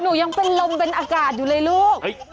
หนูยังเป็นลมเป็นอากาศอยู่เลยลูก